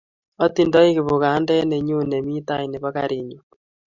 Atindoi kibukandet nenyun nemi tai nebo karit nyun